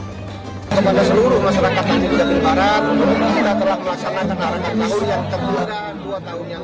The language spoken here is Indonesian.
seluruh masyarakat tanjung jabung barat telah melaksanakan arakan sahur yang terbuka dua tahun yang